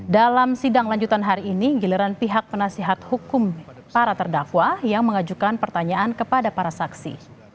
dalam sidang lanjutan hari ini giliran pihak penasihat hukum para terdakwa yang mengajukan pertanyaan kepada para saksi